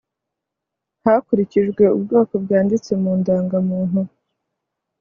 hakurikijwe ubwoko bwanditswe mu ndangamuntu